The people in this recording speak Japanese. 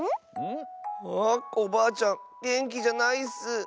あコバアちゃんげんきじゃないッス。